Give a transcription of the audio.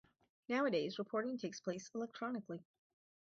Nowadays reporting takes place electronically.